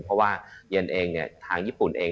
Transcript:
เพราะว่าเย็นเองเนี่ยทางญี่ปุ่นเอง